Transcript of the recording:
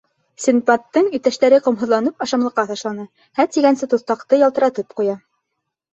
Синдбадтың иптәштәре ҡомһоҙланып ашамлыҡҡа ташлана, һә тигәнсе туҫтаҡты ялтыратып ҡуя.